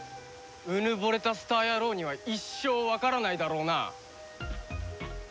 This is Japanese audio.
うぬぼれたスター野郎には一生わからないだろうな。